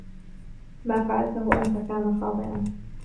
ما فعلته أنتَ كان خاطئاً.